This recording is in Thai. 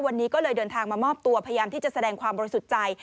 วันนี้ก็เลยเดินทางมามอบตัวพยายามที่จะแสดงความบริสุทธิ์ใจ